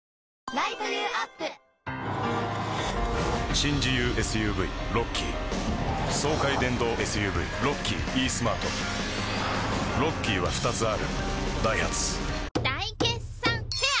新自由ＳＵＶロッキー爽快電動ＳＵＶロッキーイースマートロッキーは２つあるダイハツ大決算フェア